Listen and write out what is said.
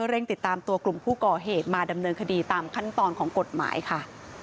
เร่งติดตามตัวกลุ่มผู้ก่อเหตุมาดำเนินคดีตามขั้นตอนของกฎหมายค่ะ